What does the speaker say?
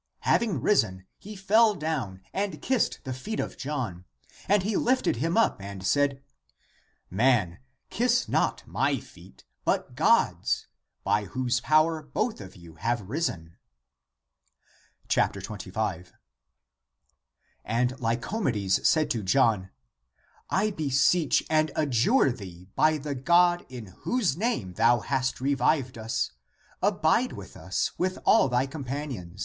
Having risen, he fell down and kissed the feet of John. And he lifted him up and said, " Man, kiss not my feet, but God's ; by whose power both of you have risen !" 25. And Lycomedes said to John, " I beseech and adjure thee by the God in whose name thou hast revived us, abide with us with all thy companions."